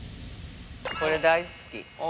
◆これ、大好き。